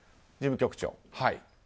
事務局長は、はい。